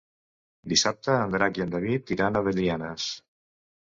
Dissabte en Drac i en David iran a Belianes.